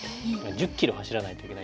１０キロ走らないといけない。